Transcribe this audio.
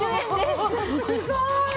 すごーい！